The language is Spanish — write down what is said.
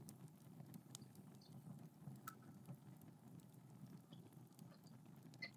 La puerta central a modo de arco triunfal romano, enmarcado por hornacinas.